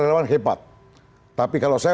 relawan hebat tapi kalau saya